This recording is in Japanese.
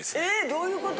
どういうこと？